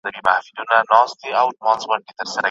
خونه له شنو لوګیو ډکه ده څه نه ښکاریږي